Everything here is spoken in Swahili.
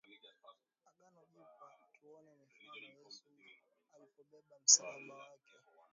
Agano Jipya Tuone mifano Yesu alipobeba msalaba wake